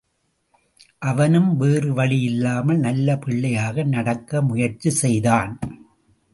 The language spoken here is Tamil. அவனும் வேறுவழி இல்லாமல் நல்ல பிள்ளையாக நடக்க முயற்சி செய்தான்.